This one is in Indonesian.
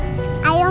jadi ya mas mbak